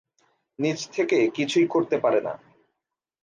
নিজ থেকে কিছুই করতে পারে না।